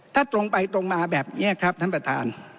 ถ้าตรงไปตรงมาแบบนี้ครับท่านประธาน